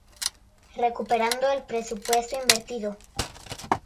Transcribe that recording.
Recuperando el presupuesto invertido.